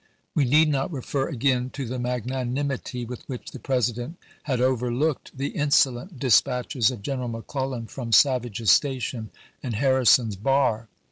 We need not refer again to the magnanim ity with which the President had overlooked the insolent dispatches of General McClellan from Savage's Station and Harrison's Bar.